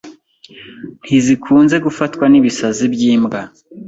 ntizikunze gufatwa n’ibisazi by’imbwa